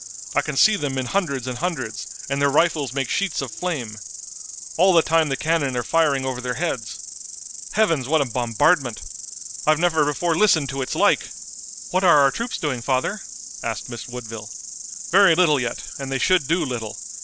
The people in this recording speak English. I can see them in hundreds and hundreds, and their rifles make sheets of flame. All the time the cannon are firing over their heads. Heavens, what a bombardment! I've never before listened to its like!" "What are our troops doing, father?" asked Miss Woodville. "Very little yet, and they should do little.